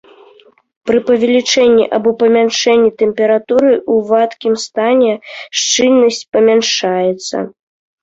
Пры павялічэнні або памяншэнні тэмпературы ў вадкім стане шчыльнасць памяншаецца.